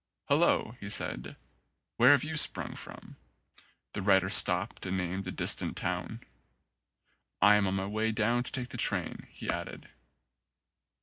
"Hulloa," he said, "where have you sprung from?" The rider stopped and named a distant town. "I am on my way down to take the train," he added.